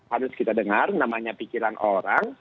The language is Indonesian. harus kita dengar namanya pikiran orang